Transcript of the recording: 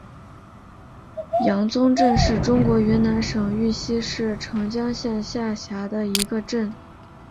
阳宗镇是中国云南省玉溪市澄江县下辖的一个镇。